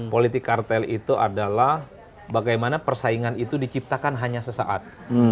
politik kartel itu adalah bagaimana persaingan itu diciptakan hanya sesaat